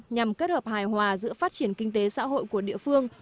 nhằm kết hợp hài hòa giữa phát triển kinh tế xã hội của địa phương